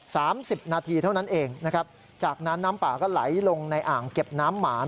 สามสิบนาทีเท่านั้นเองนะครับจากนั้นน้ำป่าก็ไหลลงในอ่างเก็บน้ำหมาน